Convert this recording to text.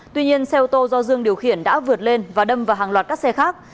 tuy nhiên xe ô tô do dương điều khiển đã vượt lên và đâm vào hàng loạt các xe khác